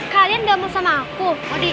kalian ga mau sama aku